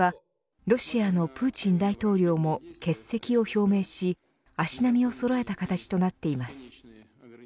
ロシアのプーチン大統領も欠席を表明し足並みをそろえた形となっています。